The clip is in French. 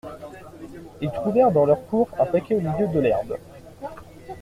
Ils trouvèrent dans leur cour un paquet au milieu de l'herbe.